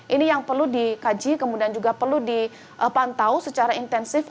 ini yang perlu dikaji kemudian juga perlu dipantau secara intensif